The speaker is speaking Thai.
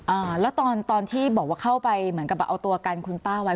อ่าแล้วตอนตอนที่บอกว่าเข้าไปเหมือนกับแบบเอาตัวกันคุณป้าไว้